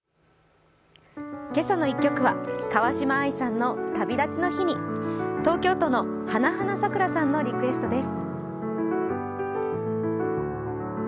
「けさの１曲」は川嶋あいさんの「旅立ちの日に．．．」東京都のはなはなさくらさんのリクエストです。